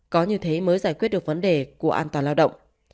có như thế mới giải quyết được vấn đề của an toàn lao động